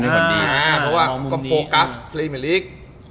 เพราะว่าผมก็โฟกัสพรีเมอร์ลีก